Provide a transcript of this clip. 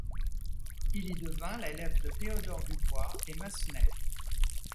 Il y devint l'élève de Théodore Dubois et Massenet.